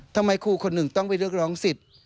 ทำไมครูคนหนึ่งต้องไปเรียกร้องสิทธิ์